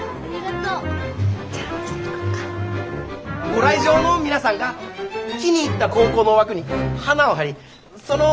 ご来場の皆さんが気に入った高校の枠に花を貼りその。